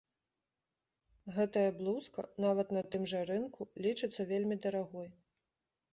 Гэтая блузка, нават на тым жа рынку, лічыцца вельмі дарагой.